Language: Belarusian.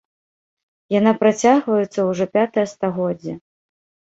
Яна працягваецца ўжо пятае стагоддзе.